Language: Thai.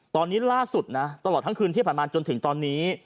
ตอนนี้ล่าสุดนะตลอดทั้งคืนที่ผ่านมาจนถึงตอนนี้